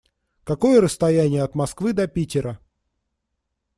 Какое расстояние от Москвы до Питера?